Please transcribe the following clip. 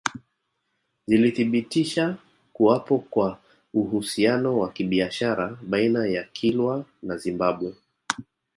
Zilithibitisha kuwapo kwa uhusiano wa kibiashara baina ya Kilwa na Zimbabwe